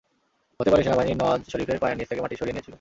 হতে পারে, সেনাবাহিনী নওয়াজ শরিফের পায়ের নিচ থেকে মাটি সরিয়ে নিয়েছিল।